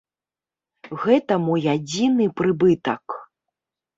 Гэта мой адзіны прыбытак.